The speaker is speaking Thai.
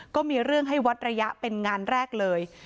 ก็มีเรื่องให้วัดระยะเป็นงานแรกเลย